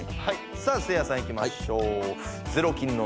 さあせいやさんいきましょう。